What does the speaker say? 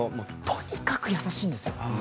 とにかく優しいんですよ。